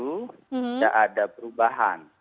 tidak ada perubahan